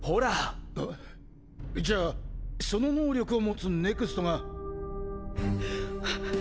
じゃあその能力を持つＮＥＸＴが。